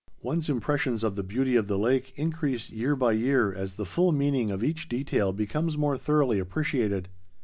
One's impressions of the beauty of the lake increase year by year as the full meaning of each detail becomes more thoroughly appreciated.